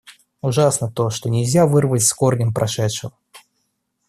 Ужасно то, что нельзя вырвать с корнем прошедшего.